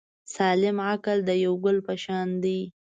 سالم عقل د یو ګل په شان دی.